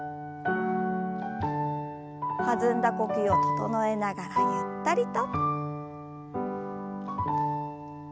弾んだ呼吸を整えながらゆったりと。